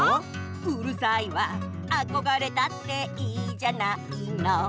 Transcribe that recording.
「うるさいわあこがれたっていいじゃないの！」